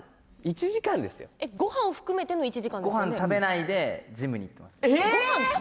ごはんを食べないでジムに行っています。